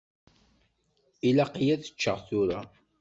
Ilaq-iyi ad ččeɣ tura.